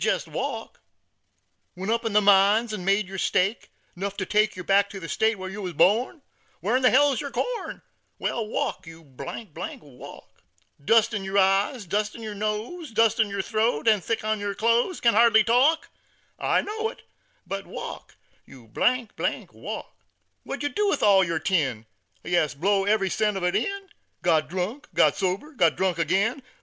Jest walk! "Went up in the mines an' made yer stake, 'Nuff to take yer back to ther state Whar yer wur born. Whar'n hell's yer corn? Wal, walk, you , walk! "Dust in yer eyes, dust in yer nose, Dust down yer throat, and thick On yer clothes. Can't hardly talk? I know it, but walk, you , walk! "What did yer do with all yer tin? Ya s, blew every cent of it in; Got drunk, got sober, got drunk agin.